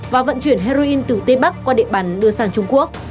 và vận chuyển heroin từ tây bắc qua địa bàn đưa sang trung quốc